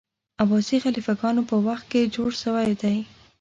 عباسي خلیفه ګانو په وخت کي جوړ سوی دی.